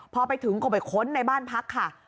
พอไปถึงก็ไปค้นในบ้านพักค่ะ